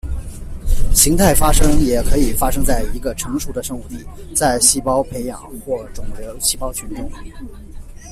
形态发生也可以发生在一个成熟的生物体，在细胞培养或肿瘤细胞群中。